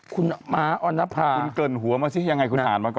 คุณมาร์ออนภาษย์อย่างไรคุณทานมาก่อน